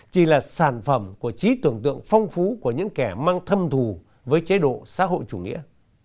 chỉ là sản phẩm của trí tưởng tượng phong phú của những kẻ mang thâm thù với chế độ xã hội chủ nghĩa